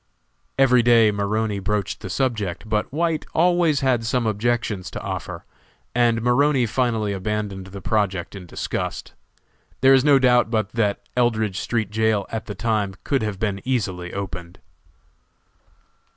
Every day Maroney broached the subject, but White always had some objections to offer, and Maroney finally abandoned the project in disgust. There is no doubt but that Eldridge street jail at the time could have been easily opened.